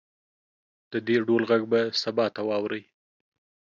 د دې ډول غږ به سبا ته واورئ